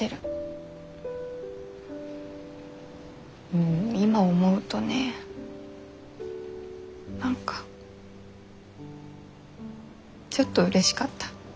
うん今思うとね何かちょっとうれしかった。